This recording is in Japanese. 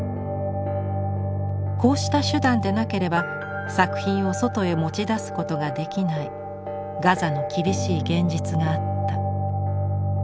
こうした手段でなければ作品を外へ持ち出すことができないガザの厳しい現実があった。